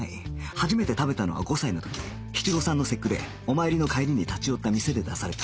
初めて食べたのは５歳の時七五三の節句でお参りの帰りに立ち寄った店で出された